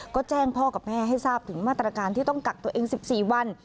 ก็แจ้งพ่อกับแม่ให้ทราบถึงมาตรการที่ต้องกักตัวเอง๑๔วัน